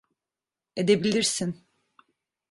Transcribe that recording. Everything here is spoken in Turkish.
Edebilirsin.